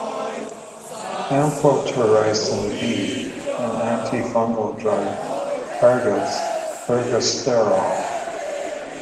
Amphotericin B, an antifungal drug, targets ergosterol.